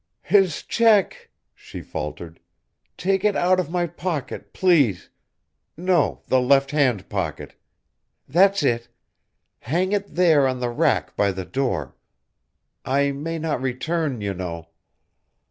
"His check," she faltered, "take it out of my pocket, please. No, the left hand pocket. That's it. Hang it there on the rack by the door. I may not return, you know."